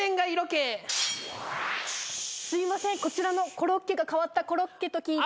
すいませんこちらのコロッケが変わったコロッケと聞いて。